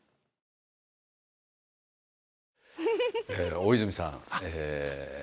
大泉さん